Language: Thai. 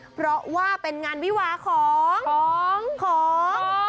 เพราะว่าเป็นงานวิวาของของ